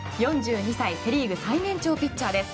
４２歳セ・リーグの最年長ピッチャーです。